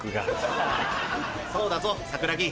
そうだぞ桜木。